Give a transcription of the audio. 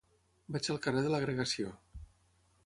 Vaig al carrer de l'Agregació.